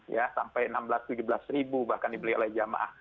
ya sampai enam belas tujuh belas ribu bahkan dibeli oleh jamaah